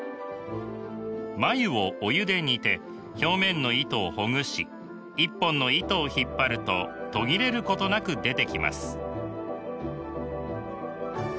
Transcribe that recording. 繭をお湯で煮て表面の糸をほぐし一本の糸を引っ張ると途切れることなく出てきます。